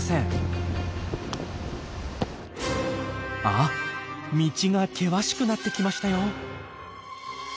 あっ道が険しくなってきましたよ。